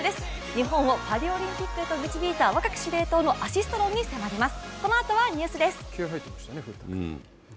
日本をパリオリンピックへと導いた若き司令塔のアシスト論に迫ります。